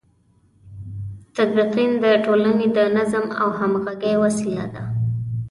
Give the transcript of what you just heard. تطبیق د ټولنې د نظم او همغږۍ وسیله ده.